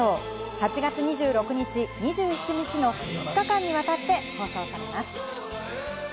８月２６日・２７日の２日間にわたって放送されます。